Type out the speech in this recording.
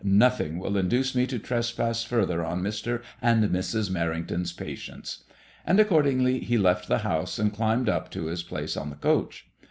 Nothing will induce me to trespass further on Mr. and Mrs. Merrington's patience.'* And, accordingly, he left the house and climbed up to his place on the coach.